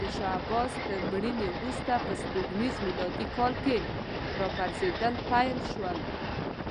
د شاه عباس تر مړینې وروسته په سپوږمیز میلادي کال کې راپرزېدل پیل شول.